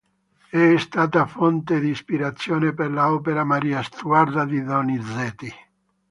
È stata fonte di ispirazione per l'opera Maria Stuarda di Donizetti.